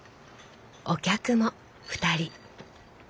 お客も２人。